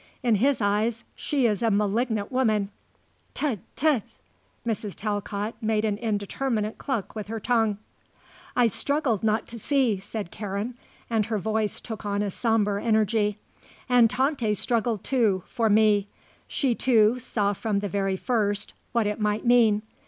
In his eyes she is a malignant woman." "Tch! Tch!" Mrs. Talcott made an indeterminate cluck with her tongue. "I struggled not to see," said Karen, and her voice took on a sombre energy, "and Tante struggled, too, for me. She, too, saw from the very first what it might mean.